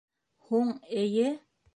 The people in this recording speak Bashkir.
Һуң, эйе.